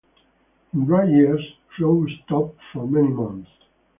In dry years, flow stops for many months.